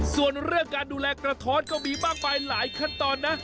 ส่วนเรื่องการดูแลกระท้อนก็มีมากมายหลายขั้นตอนนะ